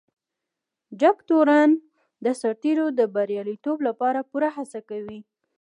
جګتورن د سرتیرو د بريالیتوب لپاره پوره هڅه کوي.